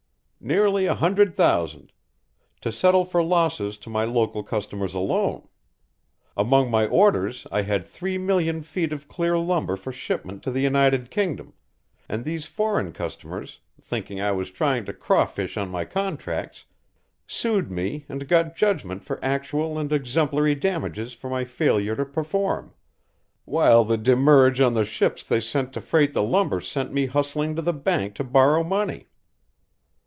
"Nearly a hundred thousand to settle for losses to my local customers alone. Among my orders I had three million feet of clear lumber for shipment to the United Kingdom, and these foreign customers, thinking I was trying to crawfish on my contracts, sued me and got judgment for actual and exemplary damages for my failure to perform, while the demurrage on the ships they sent to freight the lumber sent me hustling to the bank to borrow money."